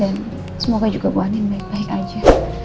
dan semoga juga bu anu baik baik aja